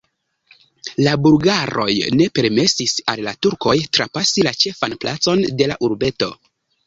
La bulgaroj ne permesis al la turkoj trapasi la ĉefan placon de la urbeto.